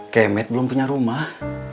kemet belum punya rumah